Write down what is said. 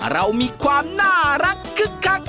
เรามีความน่ารักคึกคัก